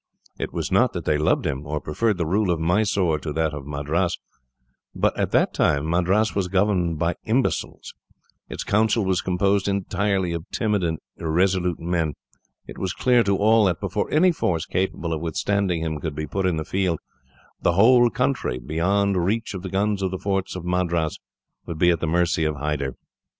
It was not that they loved him, or preferred the rule of Mysore to that of Madras. But at that time Madras was governed by imbeciles. Its Council was composed entirely of timid and irresolute men. It was clear to all that, before any force capable of withstanding him could be put in the field, the whole country, beyond reach of the guns of the forts at Madras, would be at the mercy of Hyder.